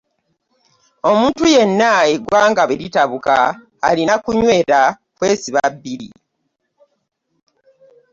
Omuntu yenna eggwanga bwe litabuka alina kunyweera, kwesiba bbiri.